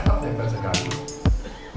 dan pokok yakumah